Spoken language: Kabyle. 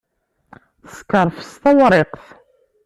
Teskerfeṣ tawriqt.